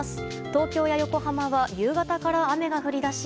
東京や横浜は夕方から雨が降り出し